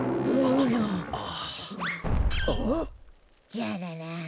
ジャララン。